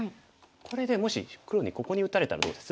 これでもし黒にここに打たれたらどうです？